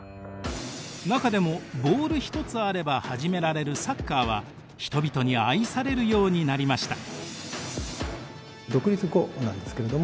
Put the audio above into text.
中でもボール一つあれば始められるサッカーは人々に愛されるようになりました。